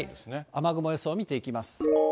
雨雲予想見ていきます。